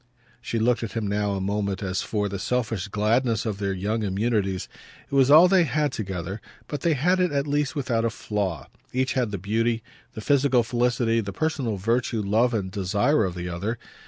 She looked at him now a moment as for the selfish gladness of their young immunities. It was all they had together, but they had it at least without a flaw each had the beauty, the physical felicity, the personal virtue, love and desire of the other.